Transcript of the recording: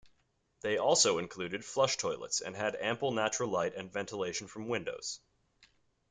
They also included flush toilets and had ample natural light and ventilation from windows.